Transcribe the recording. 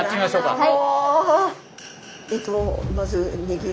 はい。